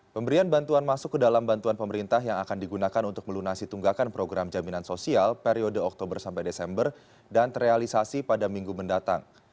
pemberian bantuan masuk ke dalam bantuan pemerintah yang akan digunakan untuk melunasi tunggakan program jaminan sosial periode oktober sampai desember dan terrealisasi pada minggu mendatang